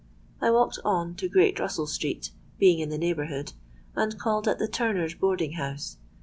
I walked on to Great Russell Street, being in the neighbourhood, and called at the Turners' boarding house.